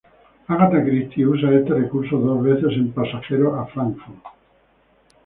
Agatha Christie usa este recurso dos veces en "Pasajero a Frankfurt".